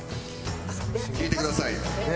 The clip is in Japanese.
聴いてください。